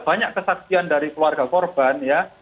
banyak kesaksian dari keluarga korban ya